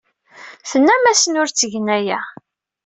Tennam-asen ur ttgen aya.